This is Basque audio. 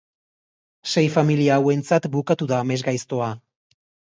Sei familia hauentzat bukatu da amesgaiztoa.